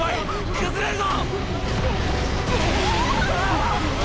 崩れるぞ！